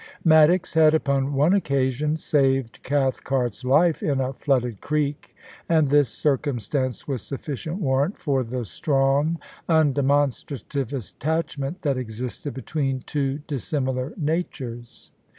Maddox had upon one occasion saved Cathcart's life in a flooded creek, and this circumstance was sufficient warrant for the strong, undemonstrative attachment that existed between two dissimilar natures.